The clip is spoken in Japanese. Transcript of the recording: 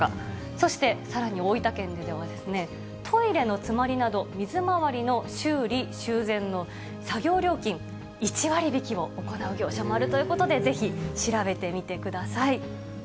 そして、さらに大分県ではですね、トイレの詰まりなど、水回りの修理・修繕の作業料金、１割引きを行う業者もあるということで、ぜひ、調べてみてください。